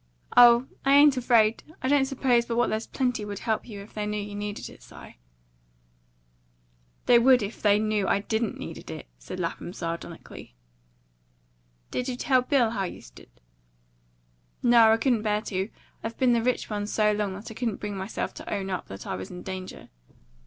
"Oh, I ain't afraid. I don't suppose but what there's plenty would help you, if they knew you needed it, Si." "They would if they knew I DIDN'T need it," said Lapham sardonically. "Did you tell Bill how you stood?" "No, I couldn't bear to. I've been the rich one so long, that I couldn't bring myself to own up that I was in danger."